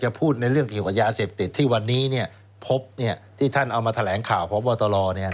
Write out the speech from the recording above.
พูดในเรื่องเกี่ยวกับยาเสพติดที่วันนี้เนี่ยพบเนี่ยที่ท่านเอามาแถลงข่าวพบตรเนี่ย